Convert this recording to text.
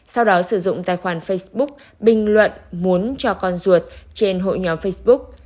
sau đó sử dụng tài khoản facebook bình luận muốn cho con ruột trên hội nhóm facebook